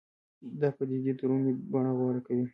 دا پدیدې دروني بڼه غوره کوي